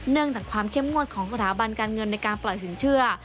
จากความเข้มงวดของสถาบันการเงินในการปล่อยสินเชื่อ